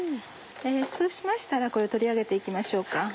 そうしましたらこれを取り上げて行きましょうか。